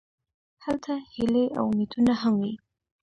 هلته هیلې او امیدونه هم وي.